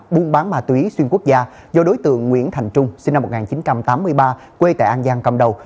buôn bán ma túy xuyên quốc gia do đối tượng nguyễn thành trung sinh năm một nghìn chín trăm tám mươi ba quê tại an giang cầm đầu